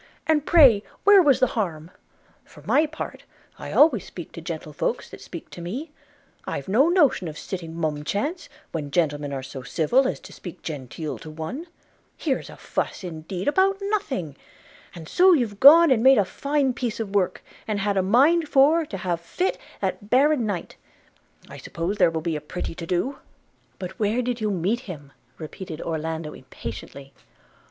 and pray where was the harm? For my part, I always speak to gentlefolks that speak to me; I've no notion of sitting mum chance, when gentlemen are so civil as to speak genteel to one. Here's a fuss, indeed, about nothing! And so you've gone and made a fine piece of work, and had a mind for to have fit that baron knight – I suppose there will be a pretty to do!' 'But where did you meet him?' repeated Orlando impatiently.